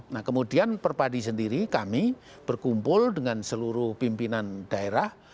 nah kemudian perpadi sendiri kami berkumpul dengan seluruh pimpinan daerah